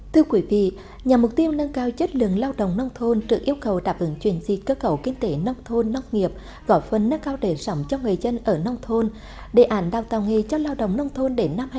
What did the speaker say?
thưa quý vị nhằm mục tiêu nâng cao chất lượng lao động nông thôn trực yêu cầu đạp ứng chuyển di cơ cầu kinh tế nông thôn nông nghiệp gọi phân nâng cao để sỏng cho người dân ở nông thôn